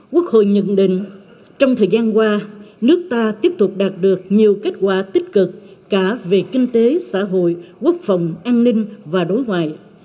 quốc hội nhận định trong thời gian qua nước ta tiếp tục đạt được nhiều kết quả tích cực cả về kinh tế xã hội quốc phòng an ninh và đối ngoại